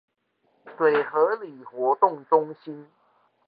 水河里活動中心